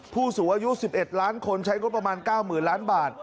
ผู้สูงอายุ๑๑ล้านคนใช้งบประมาณ๙๐๐ล้านบาท